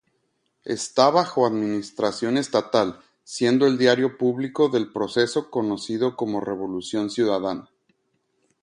Está bajo administración estatal, siendo el diario público del proceso conocido como Revolución Ciudadana.